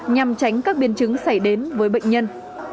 nhằm tránh các biến chứng xảy đến với bệnh nhân